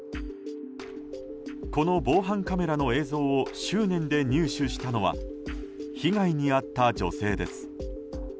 この防犯カメラの映像を執念で入手したのは被害に遭った女性です。